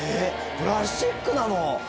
プラスチックなの？